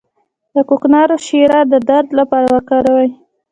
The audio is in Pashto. د کوکنارو شیره د درد لپاره وکاروئ